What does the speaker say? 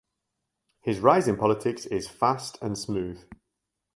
His rise in politics is fast and smooth.